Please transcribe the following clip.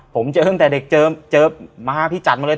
ผมเจอตั้งแต่เด็กเจอมาพี่จัดมาเลย